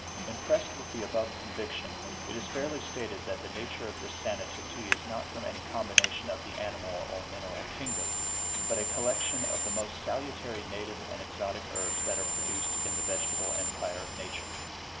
Impressed with the above conviction, it is fairly stated that the nature of this sanative tea is not from any combination of the animal or mineral kingdom, but a collection of the most salutary native and exotic herbs that are produced in the vegetable empire of nature.